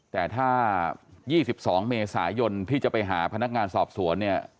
แต่ถ้า๒๒เมษายนที่จะไปหาพนักงานสอบสวนเนี่ย